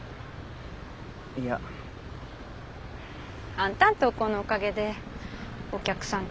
いや。あんたんとうこうのおかげでおきゃくさん